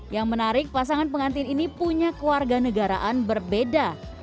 yang menarik pasangan pengantin ini punya keluarga negaraan berbeda